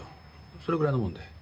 それぐらいのもんで。